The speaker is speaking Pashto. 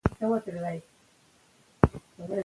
تاسې کوم ډول کتابونه خوښوئ؟